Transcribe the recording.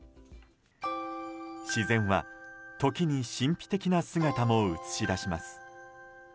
自然は時に神秘的な姿も映し出します。